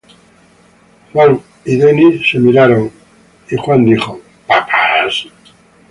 John y Denny se miraron y John dijo, "¿Papás?